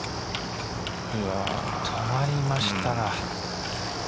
止まりましたが。